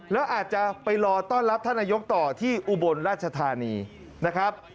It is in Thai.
แล้วอาจจะไปรอต้อนรับท่านนายกต่อที่อุบลราชธานีนะครับ